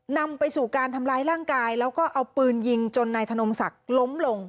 นำไปสู่การทำร้ายร่างกายแล้วก็เอาปืนยิงจนนายธนมศักดิ์ล้มลง